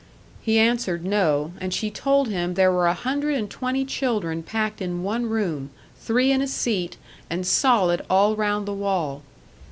He answered no; and she told him there were a hundred and twenty children packed in one room, three in a seat, and solid all round the wall.